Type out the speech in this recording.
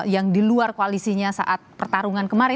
yang diluar koalisinya saat pertarungan kemarin